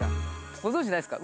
ご存じないですか？